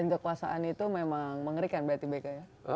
dan kekuasaan itu memang mengerikan berarti bk ya